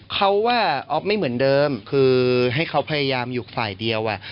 เขาว่าอ๊อฟไม่เหมือนเดิมคือให้เขาพยายามอยู่ฝ่ายเดียว